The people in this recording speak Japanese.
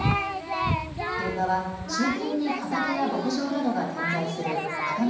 現場は周辺に畑や牧場などが点在する片側